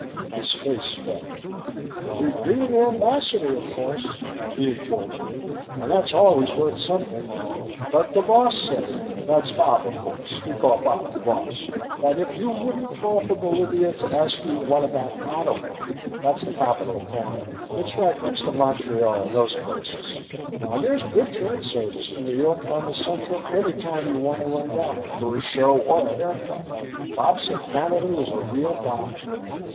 His face fell. "You'd be an Ambassador, of course," he informed me, "and that's always worth something. But the Boss said that's Bob, of course, we all call Bob the Boss that if you wouldn't fall for Bolivia to ask you what about Ottawa. That's the capital of Canada. It's right next to Montreal and those places and there's good train service to New York on the Central any time you want to run down for a show or a hair cut. Bob said Canada was a real buy."